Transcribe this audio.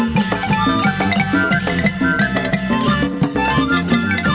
กลับมาที่สุดท้าย